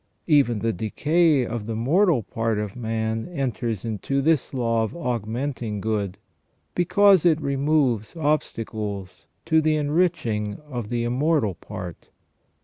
Even the decay of the mortal part of man enters into this law of augmenting good, because it removes obstacles to the enriching of the immortal part.